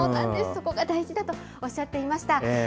そこが大事だとおっしゃっていました。